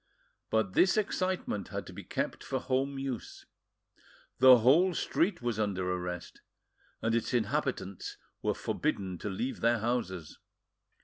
But this excitement had to be kept for home use: the whole street was under arrest, and its inhabitants were forbidden to leave their houses.